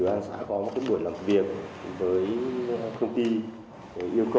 ủy ban nhân dân xã có một cách tuyển làm việc với công ty yêu cầu